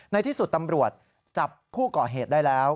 ในที่สุดตำรวจจับผู้ก่อเหตุได้แล้ว